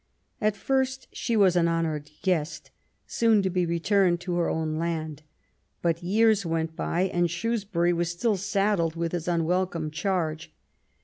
At first she was an honoured guest, soon to be returned to her own land. But years went by and Shrewsbury was still saddled with his unwelcome charge.